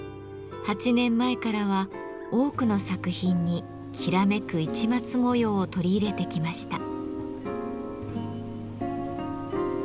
８年前からは多くの作品にきらめく市松模様を取り入れてきました。